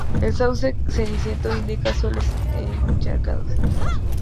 El sauce ceniciento indica suelos encharcados.